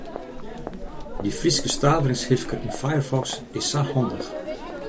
Dy Fryske staveringshifker yn Firefox is sa handich.